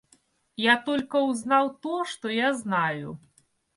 Я только узнал то, что я знаю.